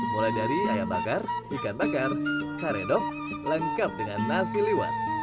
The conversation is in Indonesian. mulai dari ayam bakar ikan bakar karedok lengkap dengan nasi liwet